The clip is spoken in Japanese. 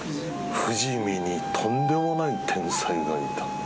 富士見にとんでもない天才がいた。